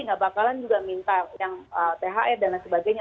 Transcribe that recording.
nggak bakalan juga minta yang thr dan lain sebagainya